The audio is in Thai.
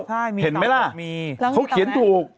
ใช่เห็นไหมล่ะเขาเขียนถูก